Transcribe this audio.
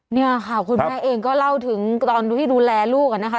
เนี่ยค่ะคุณแม่เองก็เล่าถึงตอนที่ดูแลลูกนะคะ